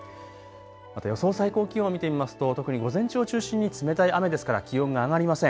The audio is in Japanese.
また予想最高気温を見てみますと特に午前中を中心に冷たい雨ですから気温が上がりません。